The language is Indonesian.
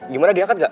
gimana diangkat gak